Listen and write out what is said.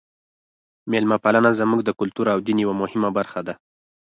میلمه پالنه زموږ د کلتور او دین یوه مهمه برخه ده.